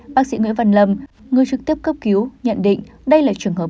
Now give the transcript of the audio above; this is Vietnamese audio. bác sĩ nguyễn văn lâm người trực tiếp cấp cứu nhận định đây là trường hợp